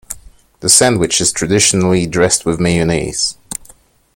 The sandwich is traditionally dressed with mayonnaise.